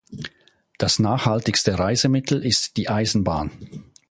Das nachhaltigste Reisemittel ist die Eisenbahn.